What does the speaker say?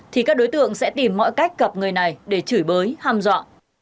thì các đối tượng sẽ tìm mọi cách gặp người này để chửi bới ham dọa